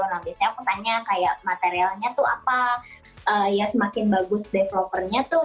nah biasanya aku tanya kayak materialnya tuh apa ya semakin bagus developernya tuh